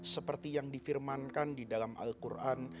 seperti yang difirmankan di dalam al quran